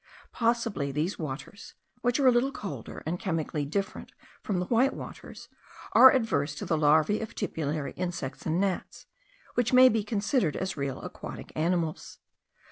Possibly these waters, which are a little colder, and chemically different from the white waters, are adverse to the larvae of tipulary insects and gnats, which may be considered as real aquatic animals.